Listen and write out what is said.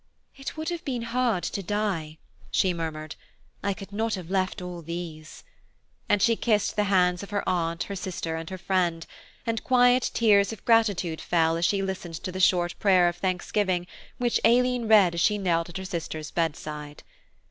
"It would have been hard to die," she murmured, "I could not have left all these," and she kissed the hands of her aunt, her sister, and her friend; and quiet tears of gratitude fell as she listened to the short prayer of thanksgiving which Aileen read as she knelt at her sister's bedside.